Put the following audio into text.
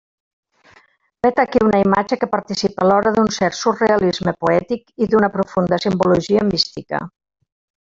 Vet aquí una imatge que participa alhora d'un cert surrealisme poètic i d'una profunda simbologia mística.